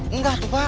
enggak tuh pak